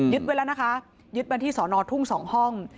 ไว้แล้วนะคะยึดมาที่สอนอทุ่ง๒ห้อง